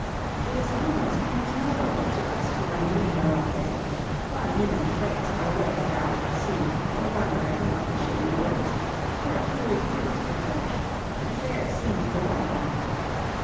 It is almost intolerable to us who remain here all day, while you and Fritz are away out at sea or wandering among the shady woods, where cool fruits refresh, and fair scenes delight you.